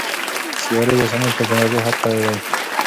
سیارې د اوسني ټکنالوژۍ حد کې دي.